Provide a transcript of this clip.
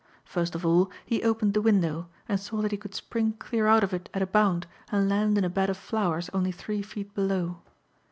First of all he opened the window and saw that he could spring clear out of it at a bound and land in a bed of flowers only three feet below.